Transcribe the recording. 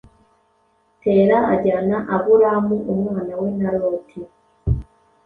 Tera ajyana Aburamu umwana we na Loti